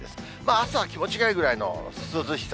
朝は気持ちがいいぐらいの涼しさ。